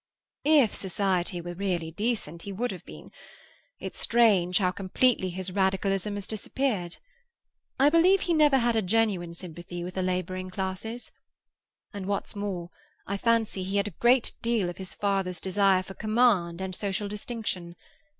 "If society were really decent, he would have been. It's strange how completely his Radicalism has disappeared. I believe he never had a genuine sympathy with the labouring classes. And what's more, I fancy he had a great deal of his father's desire for command and social distinction.